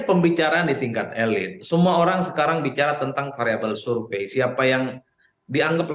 pembicaraan di tingkat elit semua orang sekarang bicara tentang variable survei siapa yang dianggap